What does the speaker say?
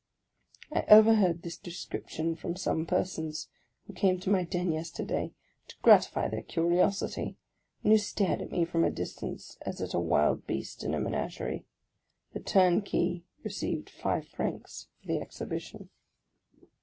I overheard this descrip tion from some persons who came to my den yesterday, to gratify their curiosity, and who stared at me from a distance as at a wild beast in a menagerie. The turnkey received five francs for the exhibition.